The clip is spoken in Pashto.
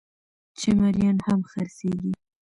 چې مريان هم خرڅېږي